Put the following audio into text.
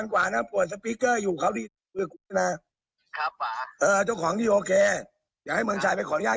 ก็คือคนก็ดูอยู่หมื่นคนนะ